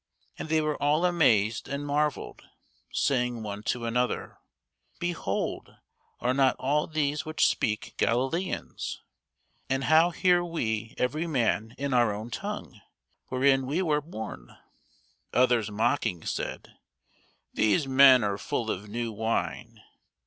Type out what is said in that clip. And they were all amazed and marvelled, saying one to another, Behold, are not all these which speak Galilæans? And how hear we every man in our own tongue, wherein we were born? Others mocking said, These men are full of new wine.